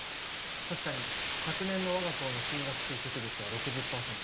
確かに昨年のわが校の進学就職率は６０％。